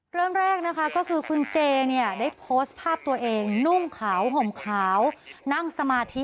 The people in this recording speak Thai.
เริ่มแรกนะคะก็คือคุณเจเนี่ยได้โพสต์ภาพตัวเองนุ่งขาวห่มขาวนั่งสมาธิ